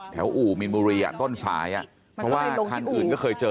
แถวอู่มีมีนบุรีด้อนฟ้ายเพราะว่ามันขายทรงที่อู่ก็เคยเจอ